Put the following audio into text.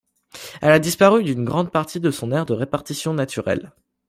Elle a disparu d'une grande partie de son aire de répartition naturelle.